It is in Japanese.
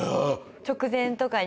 直前とかに。